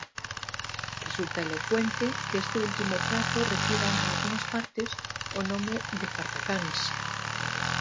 Resulta elocuente que este último prato reciba nalgunhas partes o nome de "fartacáns".